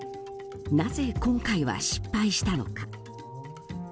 なぜ、今回は失敗したのか。